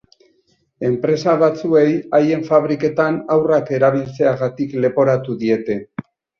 Enpresa batzuei haien fabriketan haurrak erabiltzeagatik leporatu diete.